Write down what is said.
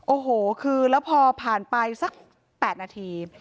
โอ้โหคือแล้วพอผ่านไปสัก๘นาที